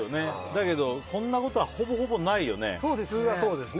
だけど、こんなことはほぼほぼないよね。